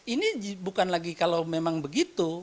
ini bukan lagi kalau memang begitu